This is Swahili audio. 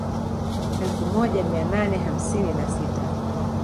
Elfu moja mia nane hamsini na sita